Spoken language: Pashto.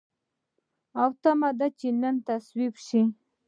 او تمه ده چې نن تصویب شي.